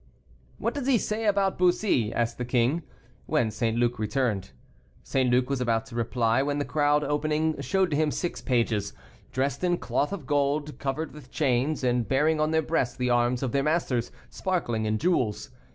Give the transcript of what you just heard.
"What does he say about Bussy?" asked the king, when St. Luc returned. St. Luc was about to reply, when the crowd opening, showed to him six pages, dressed in cloth of gold, covered with chains, and bearing on their breasts the arms of their masters, sparkling in jewels.